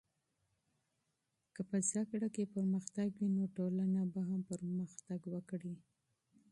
که په تعلیم کې پرمختګ وي، نو ټولنه به ښه شي.